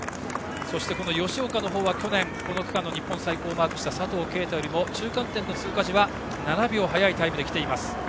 吉岡は去年、この区間の日本最高を記録した佐藤圭汰よりも中間点の通過時は７秒早いタイムできています。